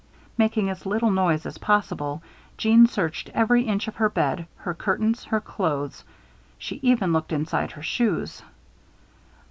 Making as little noise as possible, Jeanne searched every inch of her bed, her curtains, her clothes. She even looked inside her shoes.